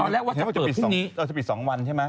เราจะปิด๒วันใช่มั้ย